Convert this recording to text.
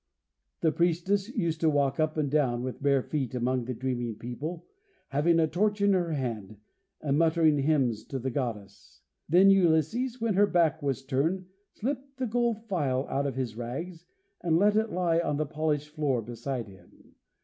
The priestess used to walk up and down with bare feet among the dreaming people, having a torch in her hand, and muttering hymns to the Goddess. Then Ulysses, when her back was turned, slipped the gold phial out of his rags, and let it lie on the polished floor beside him.